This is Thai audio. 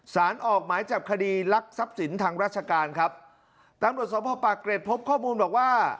สารออกหมายจับคดีลักทรัพย์สินทางราชการครับตำรวจสมภาพปากเกร็ดพบข้อมูลบอกว่า